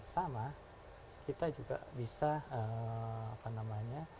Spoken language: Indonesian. sama kita juga bisa